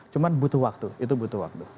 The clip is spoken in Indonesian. cuma butuh waktu itu butuh waktu